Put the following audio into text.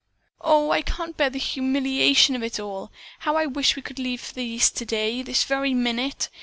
"Oh, I can't bear the humiliation of it all! How I wish we could leave for the East today, this very minute.